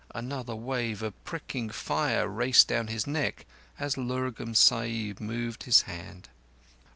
Another wave of prickling fire raced down his neck, as Lurgan Sahib moved his hand.